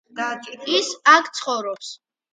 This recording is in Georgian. ისიც აქ ცხოვრობს.